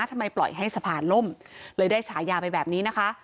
ทำไมปล่อยให้สะพานล่มเลยได้ฉายาไปแบบนี้นะคะ